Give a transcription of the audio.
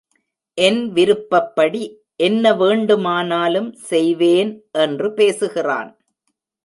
என் விருப்பப்படி என்ன வேண்டுமானாலும் செய்வேன் என்று பேசுகிறான்.